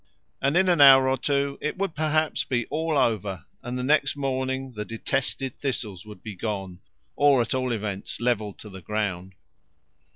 And in an hour or two it would perhaps be all over, and next morning the detested thistles would be gone, or at all events levelled to the ground.